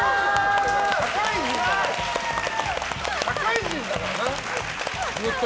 社会人だからな？